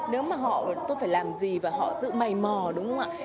nếu mà họ tôi phải làm gì và họ tự mày mò đúng không ạ